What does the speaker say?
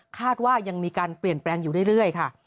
ว่ายังมีการเปลี่ยนแปลงอยู่เรื่อยค่ะ